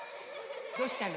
どうしたの？